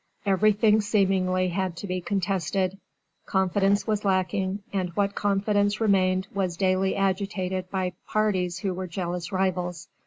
Everything seemingly had to be contested; confidence was lacking, and what confidence remained was daily agitated by parties who were jealous rivals.